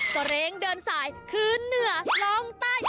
เรงเดินสายคืนเหนือลงใต้